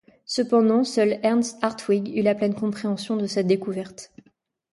Cependant, seul Ernst Hartwig eut la pleine compréhension de cette découverte.